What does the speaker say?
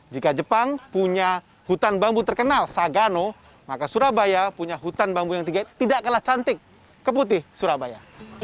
jika jepang punya hutan bambu terkenal sagano maka surabaya punya hutan bambu yang tidak kalah cantik keputih surabaya